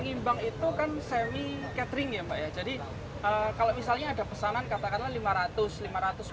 ngimbang itu kan semi catering ya mbak ya jadi kalau misalnya ada pesanan katakanlah lima ratus lima ratus